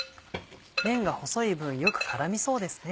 麺が細い分よく絡みそうですね。